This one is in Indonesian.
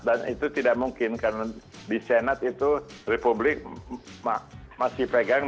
dan itu tidak mungkin karena di senat itu republik masih pegang